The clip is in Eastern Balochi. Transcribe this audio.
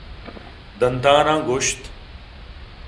دنتاناں گوٛشت